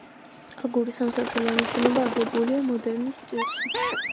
აგურის სამსართულიანი შენობა აგებულია მოდერნის სტილში.